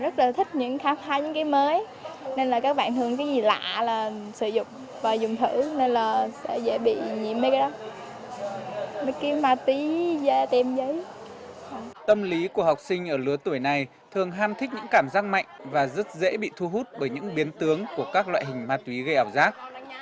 tâm lý của học sinh ở lứa tuổi này thường ham thích những cảm giác mạnh và rất dễ bị thu hút bởi những biến tướng của các loại hình ma túy gây ảo giác